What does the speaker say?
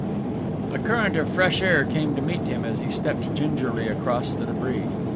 A current of fresh air came to meet him as he stepped gingerly across the debris.